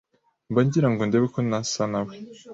mba ngirango ndebe ko nasa nawe